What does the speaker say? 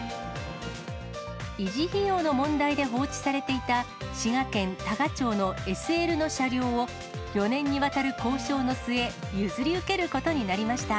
維持費用の問題で放置されていた滋賀県多賀町のＳＬの車両を、４年にわたる交渉の末、譲り受けることになりました。